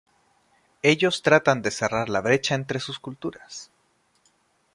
Ellos tratan de cerrar la brecha entre sus culturas.